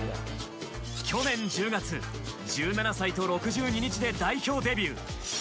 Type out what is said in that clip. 去年１０月、１７歳と６２日で代表デビュー。